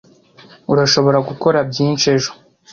Urashobora gukora byinshi ejo.